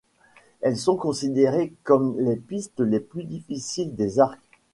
Elles sont considérées comme les pistes les plus difficiles des Arcs.